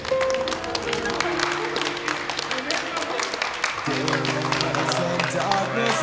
おめでとう。